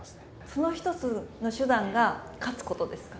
その一つの手段が勝つことですか。